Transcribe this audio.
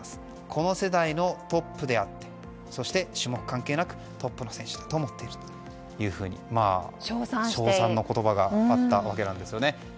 この世代のトップであってそして種目関係なくトップの選手だと思っていると賞賛の言葉があったわけなんですね。